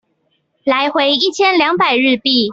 來回一千兩百日幣